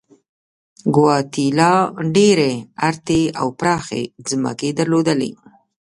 ګواتیلا ډېرې ارتې او پراخې ځمکې درلودلې.